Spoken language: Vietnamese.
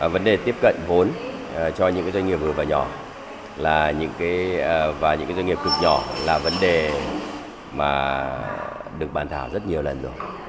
vấn đề tiếp cận vốn cho những doanh nghiệp vừa và nhỏ là và những doanh nghiệp cực nhỏ là vấn đề mà được bàn thảo rất nhiều lần rồi